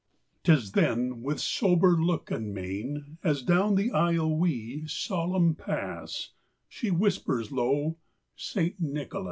Tis then with sober look, and mein, As down the aisle we, solemn, pass, She whispers low, 'St. Nicholas.